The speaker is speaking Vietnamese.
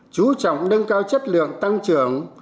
chú trọng nâng cao chất lượng tăng trưởng